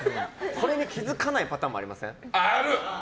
それに気づかないパターンもありません？